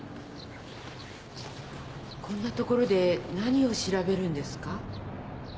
こんな所で何を調べるんですか？